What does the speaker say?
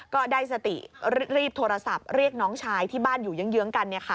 ก็ได้สติรีบโทรศัพท์เรียกน้องชายที่บ้านอยู่เยื้องกัน